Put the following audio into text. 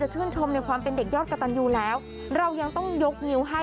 ชื่นชมในความเป็นเด็กยอดกระตันยูแล้วเรายังต้องยกนิ้วให้